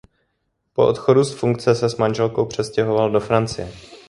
Po odchodu z funkce se s manželkou přestěhoval do Francie.